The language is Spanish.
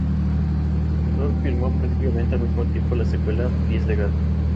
El director filmó prácticamente al mismo tiempo la secuela "Pies de Gato".